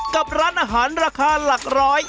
กับร้านอาหารราคาหลักร้อย